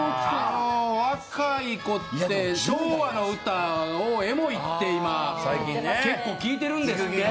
若い子って昭和の歌をエモいって今結構聴いてるんですって。